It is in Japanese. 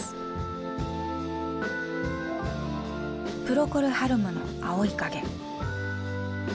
プロコル・ハルムの「青い影」。